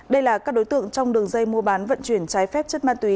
đây là các đối tượng trong đường dây mua bán vận chuyển trái phép chất ma túy